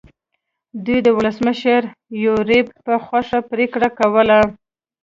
دوی د ولسمشر یوریب په خوښه پرېکړې کولې.